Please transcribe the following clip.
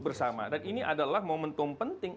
bersama dan ini adalah momentum penting